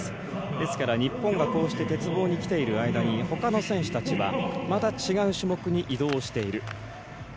ですから日本がこうして鉄棒にきている間にほかの選手たちはまた違う選手に移動している。